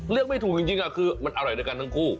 ไม่ถูกจริงคือมันอร่อยด้วยกันทั้งคู่